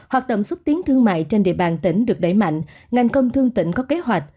hoạt động xúc tiến thương mại trên địa bàn tỉnh được đẩy mạnh ngành công thương tỉnh có kế hoạch